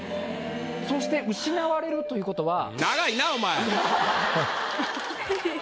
そして失われるということは。